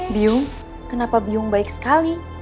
bium kenapa bium baik sekali